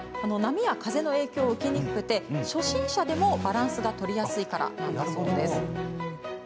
波や風の影響を受けにくく初心者でもバランスが取りやすいからだそうです。